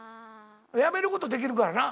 やめることできるからな。